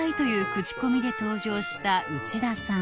クチコミで登場した内田さん